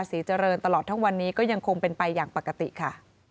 ศรีเจริญตลอดทั้งวันนี้ก็ยังคงเป็นไปอย่างปกติค่ะ